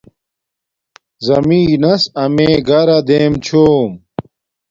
زمین نس امیے گھرا دیم چھوم